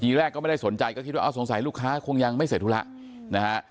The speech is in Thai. แรกก็ไม่ได้สนใจก็คิดว่าสงสัยลูกค้าคงยังไม่เสร็จธุระนะฮะ